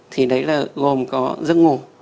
thì đấy là gồm có giấc ngủ